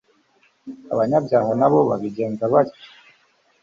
abanyabyaha na bo babigenza batyo